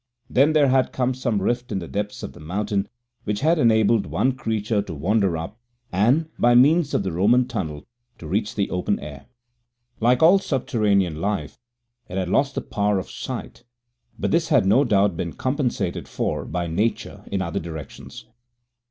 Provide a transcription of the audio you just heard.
Then there had come some rift in the depths of the mountain which had enabled one creature to wander up and, by means of the Roman tunnel, to reach the open air. Like all subterranean life, it had lost the power of sight, but this had no doubt been compensated for by nature in other directions.